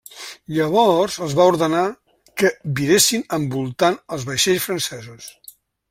Llavors els va ordenar que viressin envoltant els vaixells francesos.